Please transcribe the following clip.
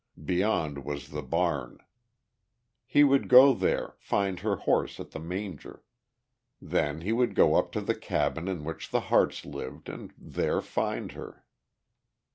Beyond was the barn. He would go there, find her horse at the manger. Then he would go up to the cabin in which the Hartes' lived and there find her.